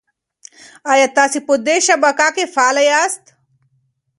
ایا تاسي په دې شبکه کې فعال یاست؟